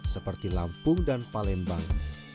seperti lampung dan palembang